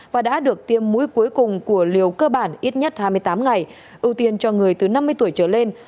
và đã được tiêm mũi cuối cùng của liều cơ bản ít nhất hai mươi tám ngày ưu tiên cho người từ năm mươi tuổi trở lên